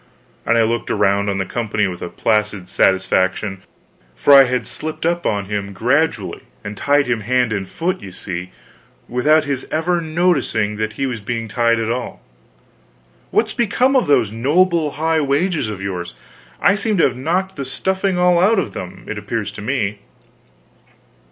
_" and I looked around on the company with placid satisfaction, for I had slipped up on him gradually and tied him hand and foot, you see, without his ever noticing that he was being tied at all. "What's become of those noble high wages of yours? I seem to have knocked the stuffing all out of them, it appears to me."